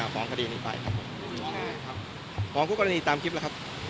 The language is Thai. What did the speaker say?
ของกรณีนี้ไปครับครับของผู้กรณีตามคลิปแล้วครับ